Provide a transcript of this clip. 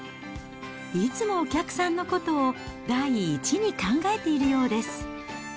いつもお客さんのことを第一に考えているようです。